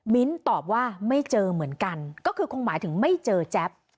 ตอบว่าไม่เจอเหมือนกันก็คือคงหมายถึงไม่เจอแจ๊บ